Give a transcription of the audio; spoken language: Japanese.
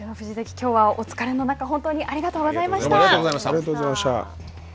きょうはお疲れの中本当にありがとうございました。